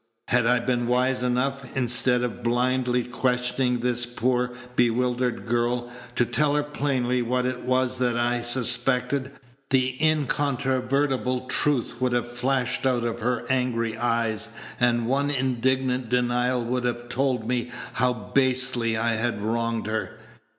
Had I been wise enough, instead of blindly questioning this poor, bewildered girl, to tell her plainly what it was that I suspected, the incontrovertible truth would have flashed out of her angry eyes, and one indignant denial would have told me how basely I had wronged her.